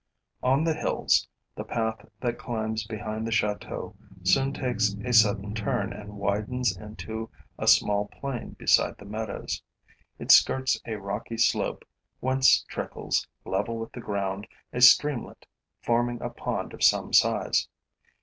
On the hills, the path that climbs behind the chateau soon takes a sudden turn and widens into a small plain beside the meadows. It skirts a rocky slope whence trickles, level with the ground, a streamlet, forming a pond of some size.